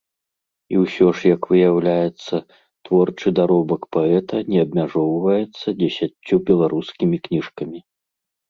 І ўсё ж, як выяўляецца, творчы даробак паэта не абмяжоўваецца дзесяццю беларускімі кніжкамі.